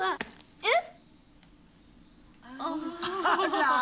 えっ？